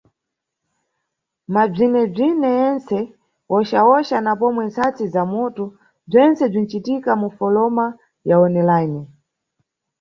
Mabzwinebzwine yentse, wochawocha na pomwe ntsatsi za moto bzwentse bzwincitika mufoloma ya online.